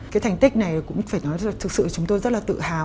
cái thành tích này cũng phải nói là thực sự chúng tôi rất là tự hào